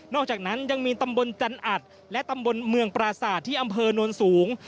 อกจากนั้นยังมีตำบลจันอัดและตำบลเมืองปราศาสตร์ที่อำเภอโน้นสูง